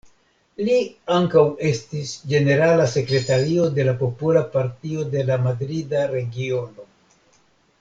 Li ankaŭ estis ĝenerala sekretario de la Popola Partio de la Madrida Regiono.